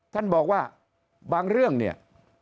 ท่านบอกว่าบางเรื่องเนี่ย